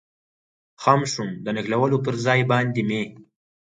خم شوم، د نښلولو پر ځای باندې مې.